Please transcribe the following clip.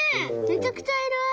めちゃくちゃいる！